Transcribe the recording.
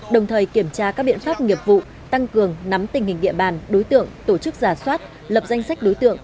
đồng thời kiểm tra các biện pháp nghiệp vụ tăng cường nắm tình hình địa bàn đối tượng tổ chức giả soát lập danh sách đối tượng